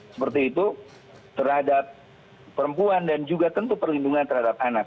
seperti itu terhadap perempuan dan juga tentu perlindungan terhadap anak